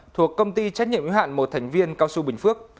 thuộc công ty trách nhiệm ứng hạn một thành viên cao su bình phước